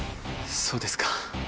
そうですか。